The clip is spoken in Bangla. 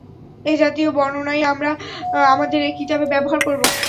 এ জাতীয় বর্ণনাই আমরা আমাদের এ কিতাবে ব্যবহার করব।